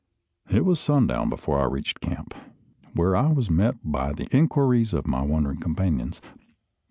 It was sundown before I reached camp, where I was met by the inquiries of my wondering companions.